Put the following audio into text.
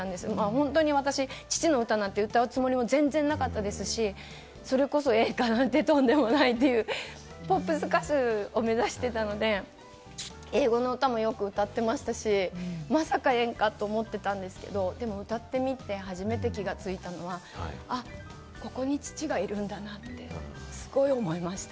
本当に私、父の歌なんか歌うつもりなんか全然なかったですし、それこそ演歌なんてとんでもないと、ポップ歌手を目指していたので、英語の歌もよく歌っていましたし、まさか演歌と思っていたんですけれども、歌ってみて初めて気付いたのは、ここに父がいるんだなとすごい思いました。